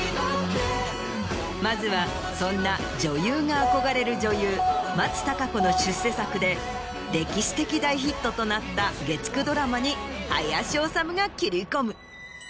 まずはそんな女優が憧れる女優松たか子の出世作で歴史的大ヒットとなった月９ドラマに林修が切り込む。